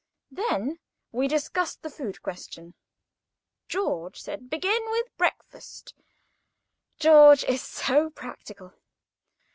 Then we discussed the food question. George said: "Begin with breakfast." (George is so practical.)